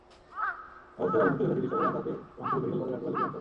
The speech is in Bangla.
অবস্থার অবনতি হলে চিকিৎসকেরা তাঁকে রংপুর মেডিকেল কলেজ হাসপাতালে প্রেরণ করেন।